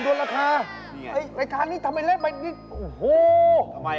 ฮูนี่แหลกค่านาย